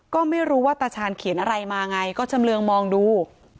ก็ไม่รู้ว่าตาชาญเขียนอะไรมาไงก็ชำเรืองมองดู